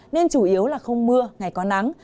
nên chủ yếu là không mưa ngày có nắng